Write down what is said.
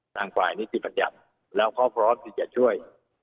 ทางฝ่ายนิติบัญญัติแล้วเขาพร้อมที่จะช่วย